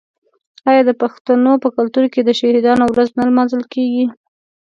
آیا د پښتنو په کلتور کې د شهیدانو ورځ نه لمانځل کیږي؟